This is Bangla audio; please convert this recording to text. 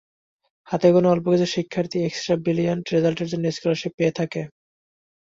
হাতে গোনা অল্প কিছু শিক্ষার্থী এক্সট্রা ব্রিলিয়ান্ট রেজাল্টের জন্য স্কলারশিপ পেয়ে থাকে।